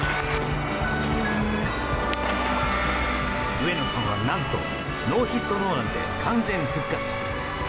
上野さんは何とノーヒットノーランで完全復活。